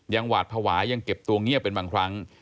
หวาดภาวะยังเก็บตัวเงียบเป็นบางครั้ง